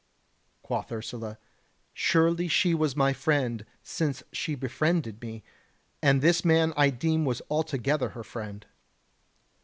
Quoth Ursula; "Surely she was my friend, since she befriended me; and this man I deem was altogether her friend."